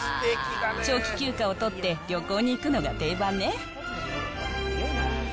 長期休暇を取って旅行に行くのが定番ね。